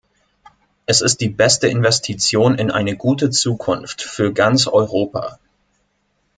Es ist die beste Investition in eine gute Zukunft für ganz Europa!